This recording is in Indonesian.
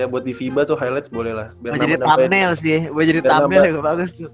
buat di viva tuh highlights boleh lah